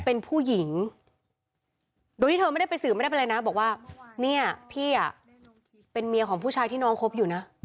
เป็นผู้หญิงโดยที่เธอไม่ได้ไปสื่อไม่ได้เป็นอะไรนะบอกว่าเนี่ยพี่เป็นเมียของผู้ชายที่น้องคบอยู่นะ